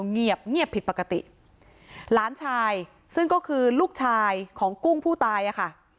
เงียบเงียบผิดปกติหลานชายซึ่งก็คือลูกชายของกุ้งผู้ตายอ่ะค่ะ